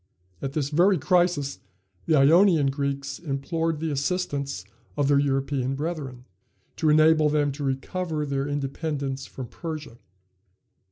At this very crisis the Ionian Greeks implored the assistance of their European brethren, to enable them to recover their independence from Persia.